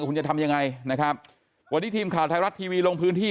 คุณจะทำยังไงนะครับวันนี้ทีมข่าวไทยรัฐทีวีลงพื้นที่